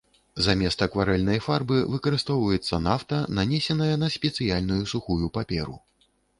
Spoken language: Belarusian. Замест акварэльнай фарбы выкарыстоўваецца нафта, нанесеная на спецыяльную сухую паперу.